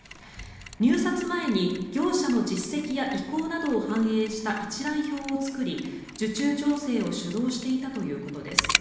入札前に業者の実績や意向などを反映した一覧表を作り受注調整を主導していたということです。